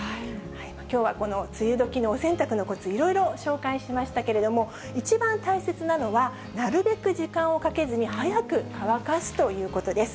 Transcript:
きょうはこの梅雨時のお洗濯のこつ、いろいろ紹介しましたけれども、一番大切なのは、なるべく時間をかけずに早く乾かすということです。